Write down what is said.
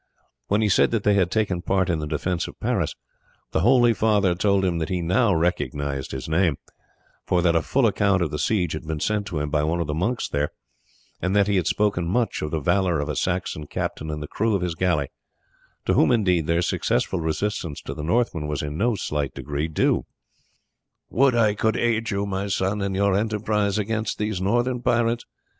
When he said that they had taken part in the defence of Paris the holy father told him that he now recognized his name, for that a full account of the siege had been sent to him by one of the monks there, and that he had spoken much of the valour of a Saxon captain and the crew of his galley, to whom indeed their successful resistance to the Northmen was in no slight degree due. "Would I could aid you, my son, in your enterprise against these northern pirates.